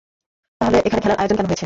তাহলে এখানে খেলার আয়োজন কেন হয়েছে?